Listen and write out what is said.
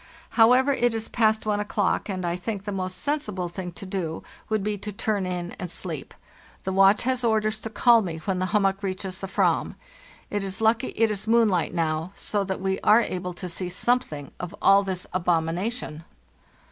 However, it is past 1 o'clock, and I think the most sensible thing to do would be to turn in and 54 FARTHEST NORTH sleep. The watch has orders to call me when the hum mock reaches the /vam. It is lucky it is moonlight now, so that we are able to see something of all this abomination.